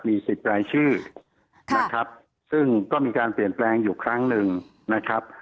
มีสิบรายชื่อนะครับซึ่งก็มีการเปลี่ยนแปลงอยู่ครั้งหนึ่งนะครับ